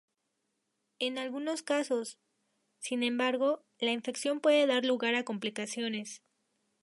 En algunos casos, sin embargo, la infección puede dar lugar a complicaciones.